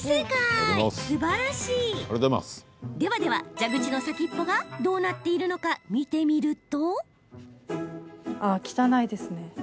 蛇口の先っぽがどうなっているのか見てみると。